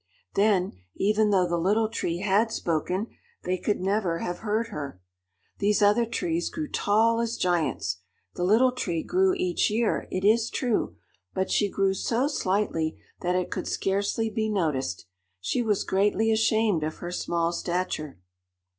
Then, even though the Little Tree had spoken, they could never have heard her. These other trees grew tall as giants. The Little Tree grew each year, it is true; but she grew so slightly that it could scarcely be noticed. She was greatly ashamed of her small stature.